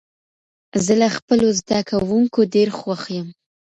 زه له خپلو زده کوونکو ډېر خوښ يم.